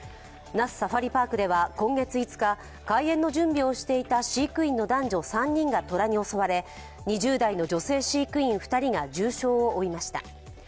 那須サファリパークでは今月５日、開園の準備をしていた飼育員の男女３人が虎に襲われ、２０代の女性飼育員２人が重傷を負いました。